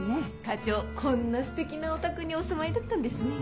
課長こんなステキなお宅にお住まいだったんですね。